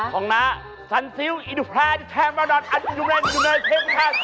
ของน้าซัลซิลอินุแพร่แชมพาดอทอันยุเวรอยู่ในเชียงประกาศ